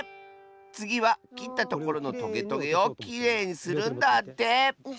つぎはきったところのトゲトゲをきれいにするんだって！